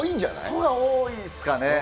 トが多いっすかね。